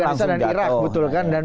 afghanistan dan iraq betul kan